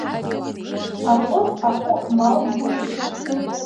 Аҟыз ахәы мал дууп!